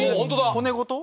骨ごと？